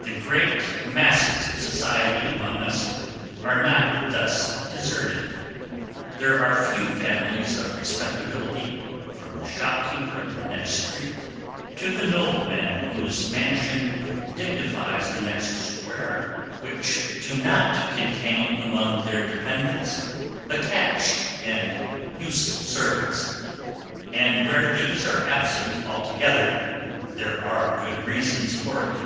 The great masses of society among us are not thus deserted; there are few families of respectability, from the shopkeeper in the next street to the nobleman whose mansion dignifies the next square, which do not contain among their dependents attached and useful servants; and where these are absent altogether, there are good reasons for it.